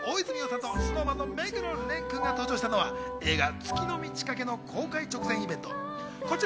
昨日、大泉洋さんとＳｎｏｗＭａｎの目黒蓮くんが登場したのは、映画『月の満ち欠け』の公開直前イベント。